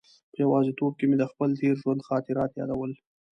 په یوازې توب کې مې د خپل تېر ژوند خاطرات یادول.